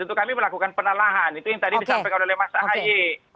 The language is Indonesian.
untuk kami melakukan penelahan itu yang tadi disampaikan oleh mas ahy